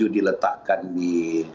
tujuh diletakkan di